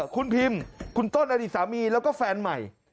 คุณพิมคุณต้นอดีตสามีแล้วก็แฟนใหม่